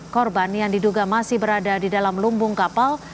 korban yang diduga masih berada di dalam lumbung kapal